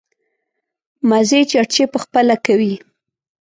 مزې چړچې په خپله کوي.